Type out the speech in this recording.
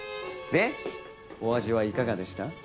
でお味はいかがでした？